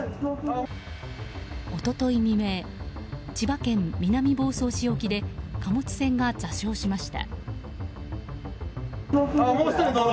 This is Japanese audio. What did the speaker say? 一昨日未明、千葉県南房総市沖で貨物船が座礁しました。